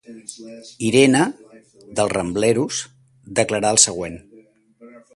Irene, dels Rambleros, declarà el següent.